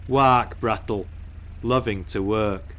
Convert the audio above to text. Wark brattle, lovitig to work.